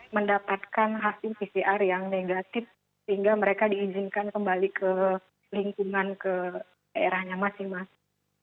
mendapatkan hasil pcr yang negatif sehingga mereka diizinkan kembali ke lingkungan ke daerahnya masing masing